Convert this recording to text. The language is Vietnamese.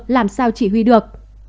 làm sao chỉ huy được